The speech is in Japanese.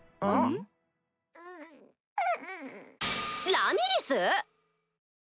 ラミリス⁉